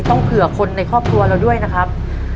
เผื่อคนในครอบครัวเราด้วยนะครับ